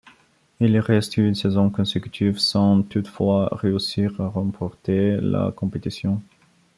Il y reste huit saisons consécutives, sans toutefois réussir à remporter la compétition.